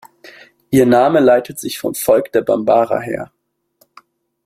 Ihr Name leitet sich vom Volk der Bambara her.